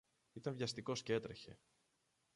Ήταν βιαστικός κι έτρεχε.